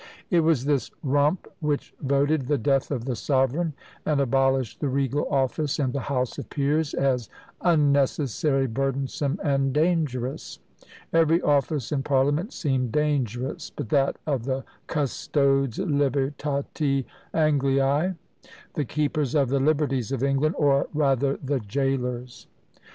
It was this Rump which voted the death of the sovereign, and abolished the regal office, and the House of Peers as "unnecessary, burdensome, and dangerous!" Every office in parliament seemed "dangerous," but that of the "Custodes libertatis Angliæ," the keepers of the liberties of England! or rather "the gaolers!"